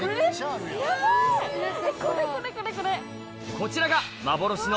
こちらが幻の